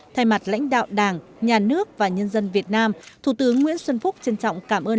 thay mặt lãnh đạo đảng nhà nước và nhân dân việt nam thủ tướng nguyễn xuân phúc trân trọng cảm ơn